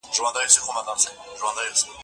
زه به مېوې راټولې کړي وي